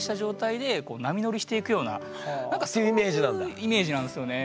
そういうイメージなんですよね。